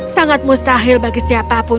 sangat mustahil bagi siapa pun